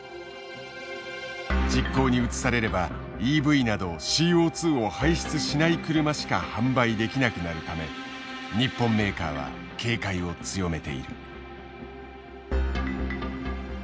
実行に移されればＥＶなどＣＯを排出しない車しか販売できなくなるため日本メーカーは警戒を強めている。